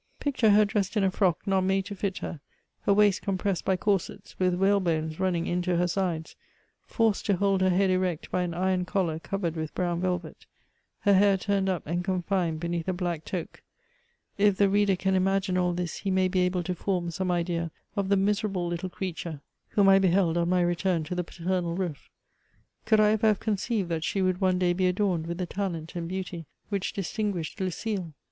Picture her dressed in a frock not made to fit her, her waist compressed by corsets, with whalebones running into her sides ;— ^forced to hold her head erect by an iron collar covered with brown velvet; — her hair turned up and confined beneath a black toque : if the reader can imagine all this, he may be able to form some idea of the miserable Utile creature whom I CHATEAUBRIAND. 57 beheld on my return to the paternal roof. Could I ever have conceived that she would one day be adorned with the talent and beauty which distinguished Lucile